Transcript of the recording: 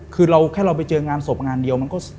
คือแค่เราไปเจองานศพงานเดียว